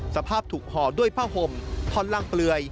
สภาพถูกห่อด้วยผ้าห่มท่อนล่างเปลือย